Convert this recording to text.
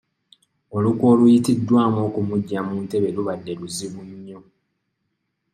Olukwe oluyitiddwamu okumuggya mu ntebe lubadde luzibu nnyo.